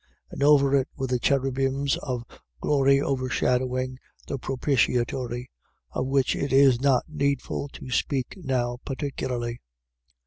9:5. And over it were the cherubims of glory overshadowing the propitiatory: of which it is not needful to speak now particularly.